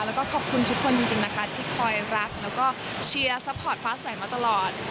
แล้วก็ขอบคุณทุกคนจริงนะคะที่คอยรักแล้วก็เชียร์ซัพพอร์ตฟ้าใสมาตลอด